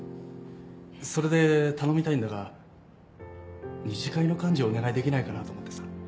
それで頼みたいんだが二次会の幹事をお願いできないかなと思ってさ。